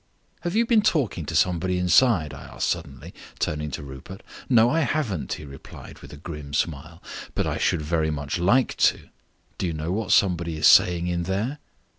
"Have you been talking to somebody inside?" I asked suddenly, turning to Rupert. "No, I haven't," he replied, with a grim smile, "but I should very much like to. Do you know what somebody is saying in there?"